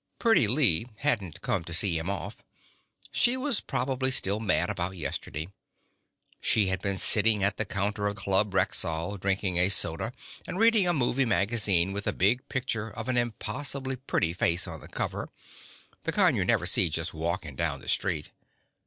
Pretty Lee hadn't come to see him off. She was probably still mad about yesterday. She had been sitting at the counter at the Club Rexall, drinking a soda and reading a movie magazine with a big picture of an impossibly pretty face on the cover the kind you never see just walking down the street.